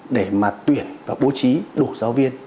để mà tuyển và bố trí đủ giáo viên